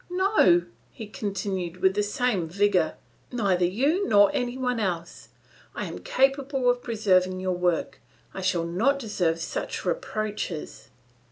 "No," he continued with the same vigour. "Neither you nor any one else; I am capable of preserving your work; I shall not deserve such reproaches."